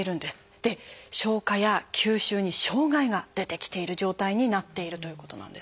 で消化や吸収に障害が出てきている状態になっているということなんです。